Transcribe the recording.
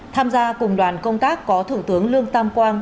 tham gia cùng đoàn công tác có thủ tướng lương tam quang